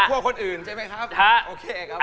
ครอบครัวคนอื่นใช่มั้ยครับ